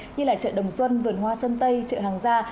như là chợ đồng xuân vườn hoa sân tây chợ hàng gia